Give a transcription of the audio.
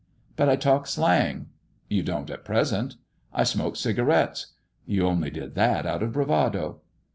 " But I talk slang." " You don't at present." " I smoke cigarettes." You only did that out of bravado."